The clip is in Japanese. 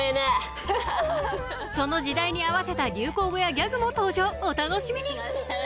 その時代に合わせた流行語やギャグも登場お楽しみに！